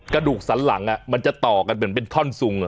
กระดูกสันหลังมันจะต่อกันเหมือนเป็นท่อนซุง